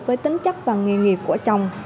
với tính chất và nghề nghiệp của chồng